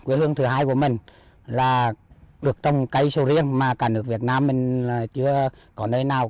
quê hương thứ hai của mình là được trồng cây sầu riêng mà cả nước việt nam mình chưa có nơi nào